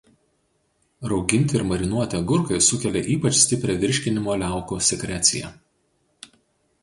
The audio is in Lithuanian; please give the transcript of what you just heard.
Rauginti ir marinuoti agurkai sukelia ypač stiprią virškinimo liaukų sekreciją.